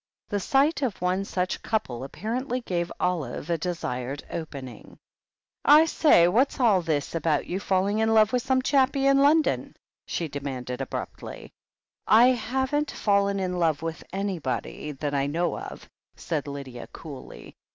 The sight of one such couple apparently gave Olive a desired opening. THE HEEL OF ACHILLES 201 "I say, what's all this about you falling in love with some chappie in London ?" she demanded abruptly. "I haven't fallen in love with anybody, that I know of," said Lydia coolly.